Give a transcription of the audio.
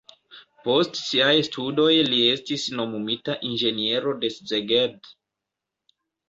Post siaj studoj li estis nomumita inĝeniero de Szeged.